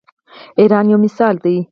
ایران یو مثال دی.